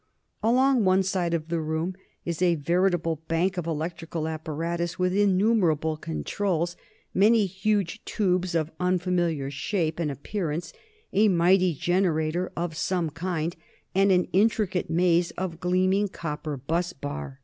Along one side of the room is a veritable bank of electrical apparatus with innumerable controls, many huge tubes of unfamiliar shape and appearance, a mighty generator of some kind and an intricate maze of gleaming copper bus bar.